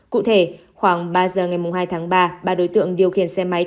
cụ thể khoảng ba giờ ngày hai tháng ba ba đối tượng điều khiển xe máy